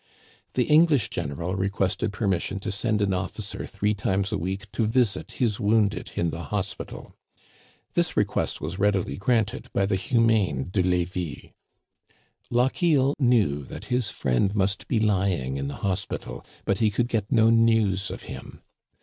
The English general requested permission to send an officer three times a week to visit his wounded in the hospital This request was readily granted by the humane De Levis. Lochiel knew that his friend must be lying in the hos^ntal, but he could get no news of him.